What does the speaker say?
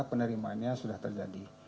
penerimaannya sudah terjadi